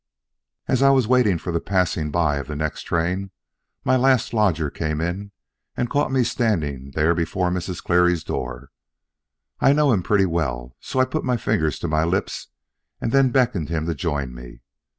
As I was waiting for the passing by of the next train, my last lodger came in and caught me standing there before Mrs. Clery's door. I know him pretty well; so I put my finger to my lips and then beckoned him to join me.